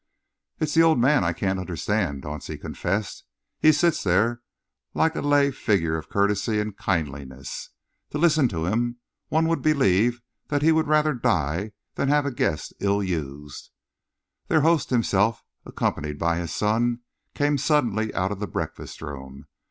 "It's the old man I can't understand," Dauncey confessed. "He sits there like a lay figure of courtesy and kindliness. To listen to him, one would believe that he would rather die than have a guest ill used." Their host himself, accompanied by his son, came suddenly out of the breakfast room.